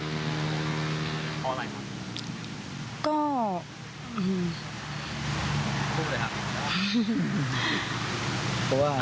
กลัวกลัวมาก